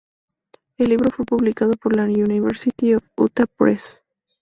El libro fue publicado por la University of Utah Press.